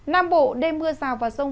nam bộ đêm mưa xào và rông